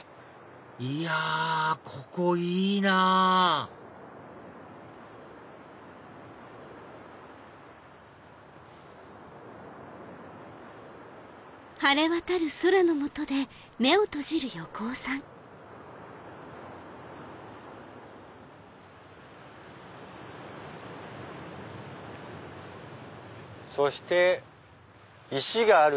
いやここいいなぁそして石がある！